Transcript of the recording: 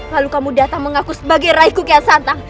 lalu kamu datang mengaku sebagai raiku kian santan